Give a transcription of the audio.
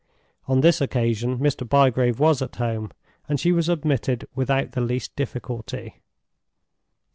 On this occasion Mr. Bygrave was at home, and she was admitted without the least difficulty.